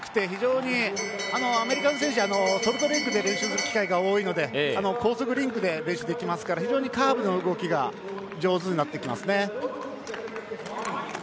非常にアメリカの選手はソルトレークで練習する機会が多いので高速リンクで練習できますから非常にカーブの動きが上手になってきますね。